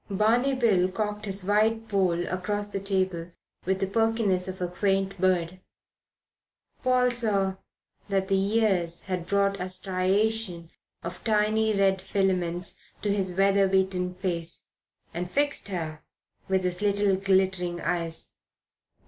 Barney Bill cocked his white poll across the table with the perkiness of a quaint bird Paul saw that the years had brought a striation of tiny red filaments to his weather beaten face and fixed her with his little glittering eyes.